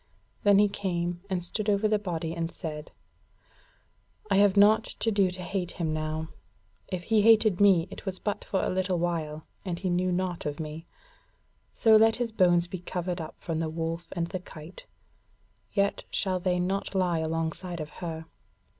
And he came and stood over the body and said: "I have naught to do to hate him now: if he hated me, it was but for a little while, and he knew naught of me. So let his bones be covered up from the wolf and the kite. Yet shall they not lie alongside of her.